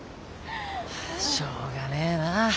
しょうがねえな。